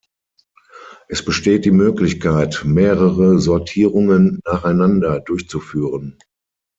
Es besteht die Möglichkeit, mehrere Sortierungen nacheinander durchzuführen.